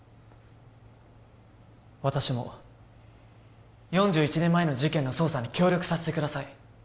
私も４１年前の事件の捜査に協力させてください